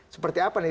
seperti apa nih